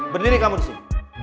berdiri kamu di sini